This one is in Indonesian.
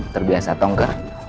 terbiasa atau nggak